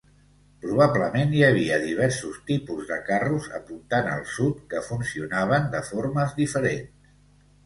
Probablement hi havia diversos tipus de carros apuntant al sud que funcionaven de formes diferents.